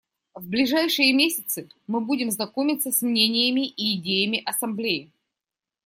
В ближайшие месяцы мы будем знакомиться с мнениями и идеями Ассамблеи.